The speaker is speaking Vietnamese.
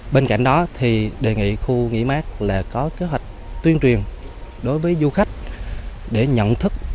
bên cạnh đó thì đề nghị khu nghỉ mát là có kế hoạch tuyên truyền đối với du khách để nhận thức